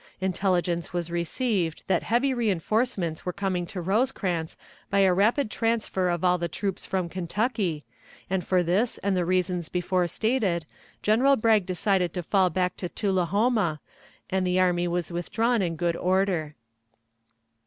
Intelligence was received that heavy reënforcements were coming to Rosecrans by a rapid transfer of all the troops from Kentucky, and for this and the reasons before stated General Bragg decided to fall back to Tullahoma, and the army was withdrawn in good order.